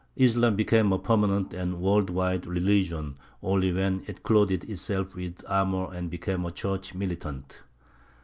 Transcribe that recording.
Islam became a permanent and world wide religion only when it clothed itself with armour and became a church militant.